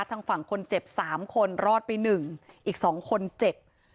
ทางฝั่งคนเจ็บสามคนรอดไปหนึ่งอีกสองคนเจ็บ